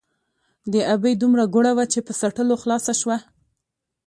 ـ د ابۍ دومره اګوره وه ،چې په څټلو خلاصه شوه.